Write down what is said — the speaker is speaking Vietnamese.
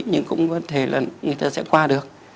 nhưng cũng có thể là người ta sẽ qua được